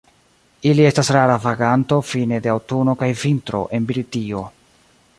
Ili estas rara vaganto fine de aŭtuno kaj vintro en Britio.